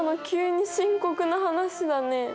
急に深刻な話だね。